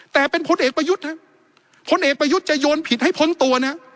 แต่เป็นพลเอกประยุทธ์นะพลเอกประยุทธ์จะโยนผิดให้พ้นตัวนะ